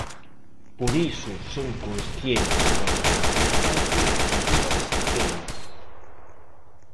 Por iso son consciente da dificultade deses temas.